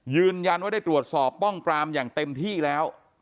ยืนยันว่าได้ตรวจสอบป้องปรามอย่างเต็มที่แล้ว